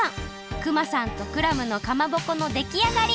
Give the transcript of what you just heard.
熊さんとクラムのかまぼこのできあがり！